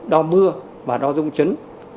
đo mưa và đo dung chấn